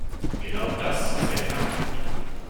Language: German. Genau das ist der Knackpunkt.